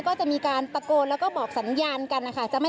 ก็จะมีการตะโกนแล้วก็บอกสัญญาณกันนะคะ